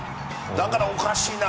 だから、おかしいな。